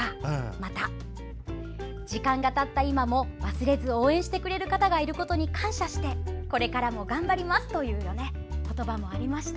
また、「時間がたった今も忘れず応援してくれる方がいることに感謝してこれからも頑張ります」というような言葉もありました。